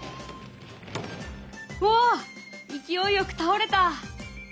わあ勢いよく倒れた！